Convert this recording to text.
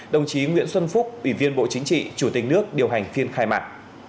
đồng chí nguyễn xuân phúc ủy viên bộ chính trị chủ tịch nước điều hành phiên khai mạc